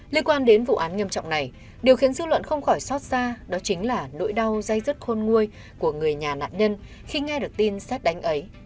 liên quan đến vụ án nghiêm trọng này điều khiến dư luận không khỏi xót xa đó chính là nỗi đau dây dứt khôn nguôi của người nhà nạn nhân khi nghe được tin xét đánh ấy